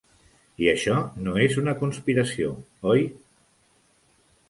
I això no és una conspiració, oi?